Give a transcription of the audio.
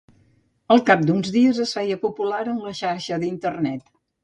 Al cap d'uns dies, es feia popular en la xarxa d'Internet.